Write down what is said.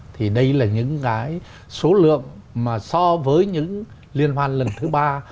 thì đây là những cái số lượng mà so với những liên hoan lần thứ ba